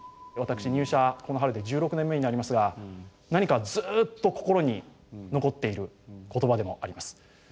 私入社この春で１６年目になりますが何かずっと心に残っている言葉でもあります。